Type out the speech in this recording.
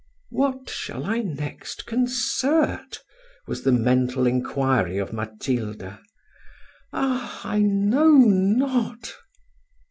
What shall I next concert? was the mental inquiry of Matilda. Ah! I know not.